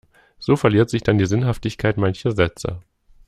So verliert sich dann die Sinnhaftigkeit mancher Sätze.